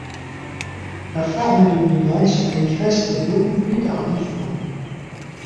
La forme dominante se manifeste beaucoup plus tardivement.